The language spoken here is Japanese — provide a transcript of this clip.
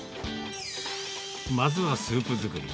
まずはスープ作り。